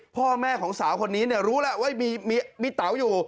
พ่อแม่ของสาวคนนี้รู้แล้วว่ามีเต๋าอยู่